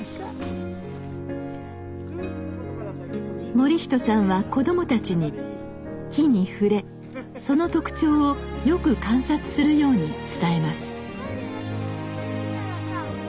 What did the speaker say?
盛人さんは子供たちに木に触れその特徴をよく観察するように伝えます。